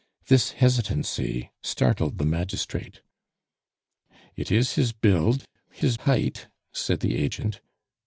This hesitancy startled the magistrate. "It is his build, his height," said the agent.